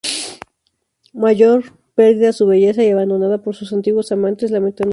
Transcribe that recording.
Mayor, perdida su belleza y abandonada por sus antiguos amantes, lamentando su vida.